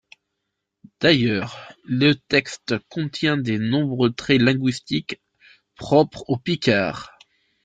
D'ailleurs le texte contient de nombreux traits linguistiques propres au picard.